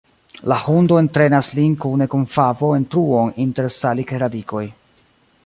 La hundo entrenas lin kune kun Favo en truon inter salikradikoj.